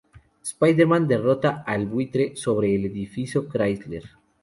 Spider-Man derrota al Buitre sobre el Edificio Chrysler.